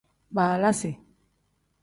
Baalasi.